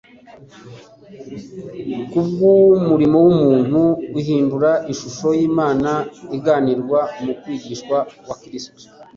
Kubw'umurimo w'ubuntu uhindura, ishusho y'Imana iganirwa mu mwigishwa wa Kristo